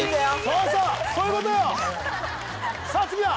そうそうそういうことよさあ次は？